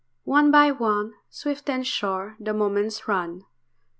One by one Swift and sure the moments run.